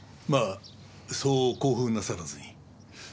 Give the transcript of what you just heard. まあそう興奮なさらずに。